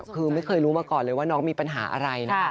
คือไม่เคยรู้มาก่อนเลยว่าน้องมีปัญหาอะไรนะคะ